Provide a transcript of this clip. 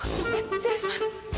失礼します！